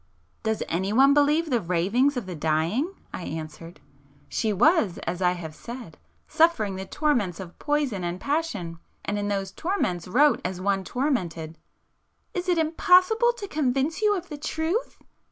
"Does anyone believe the ravings of the dying!" I answered—"She was, as I have said, suffering the torments of poison and passion,—and in those torments wrote as one tormented...." "Is it impossible to convince you of the truth?"